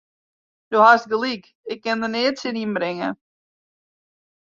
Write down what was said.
Do hast gelyk, ik kin der neat tsjin ynbringe.